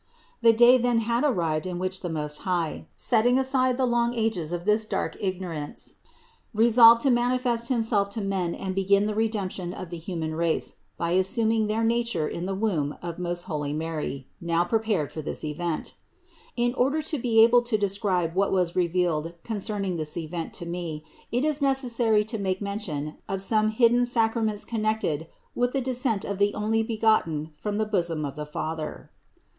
125. The day then had arrived in which the Most High, setting aside the long ages of this dark ignorance, resolved to manifest Himself to men and begin the Re demption of the human race by assuming their nature in the womb of most holy Mary, now prepared for this event. In order to be able to describe what was revealed concerning this event to me, it is necessary to make men tion of some hidden sacraments connected with the de scent of the Onlybegotten from the bosom of the Fa ther.